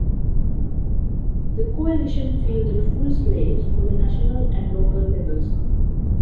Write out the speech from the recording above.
The coalition fielded full slates for the national and local levels.